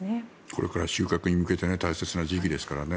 これから収穫に向けて大切な時期ですからね。